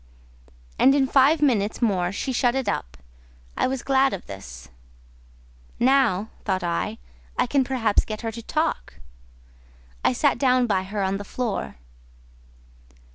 And in five minutes more she shut it up. I was glad of this. "Now," thought I, "I can perhaps get her to talk." I sat down by her on the floor.